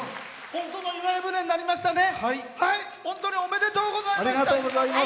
本当に「祝い船」になりましたね！